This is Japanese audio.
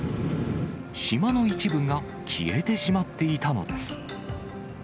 島の一部が消えてしまっていたのです。